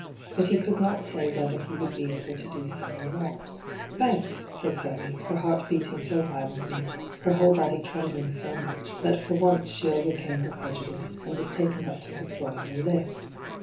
But he could not say whether he would be able to do so or not.' 'Thanks,' said Zoe, her heart beating bo violently, her whole body trembling so much, that for once she overcame her prejudice, and was taken up to her floor in the lift.